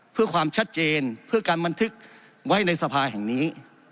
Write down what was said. เพื่อความชัดเจนเพื่อการบันทึกไว้ในสภาแห่งนี้